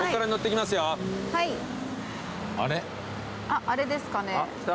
あっあれですかね。